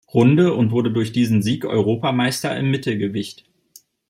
Runde und wurde durch diesen Sieg Europameister im Mittelgewicht.